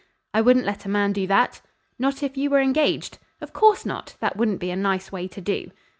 "I wouldn't let a man do that." "Not if you were engaged?" "Of course not! That wouldn't be a nice way to do."